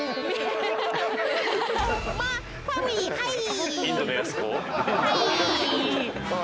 ファミリーはい。